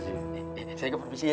saya ke provinsi ya